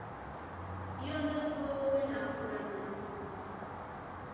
iyo nza kuba wowe, nakuramya.